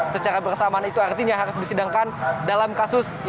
secara bersamaan itu artinya harus disidangkan dalam kasus yang tidak bisa disidangkan